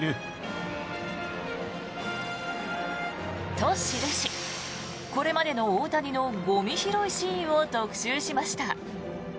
と記し、これまでの大谷のゴミ拾いシーンを特集しました。